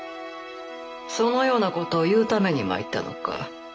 そのようなことを言うために参ったのか。